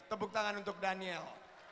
tebuk tangan untuk daniel